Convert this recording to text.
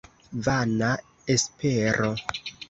Vana espero!